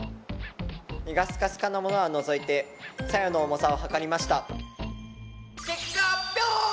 実がスカスカのものは除いてさやの重さを量りました。